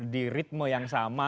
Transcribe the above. di ritme yang sama